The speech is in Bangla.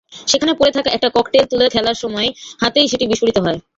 সেখানে পড়ে থাকা একটা ককটেল তুলে খেলার সময় হাতেই সেটি বিস্ফোরিত হয়।